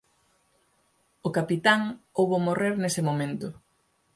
O capitán houbo morrer nese momento.